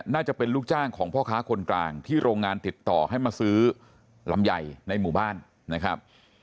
น่าจะเป็นลูกจ้างของพ่อค้าคนกลางที่โรงงานติดต่อให้มาซื้อลำไยในหมู่บ้านนะครับ